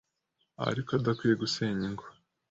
ariko adakwiye gusenya ingo